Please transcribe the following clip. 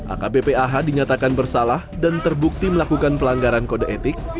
akbp ah dinyatakan bersalah dan terbukti melakukan pelanggaran kode etik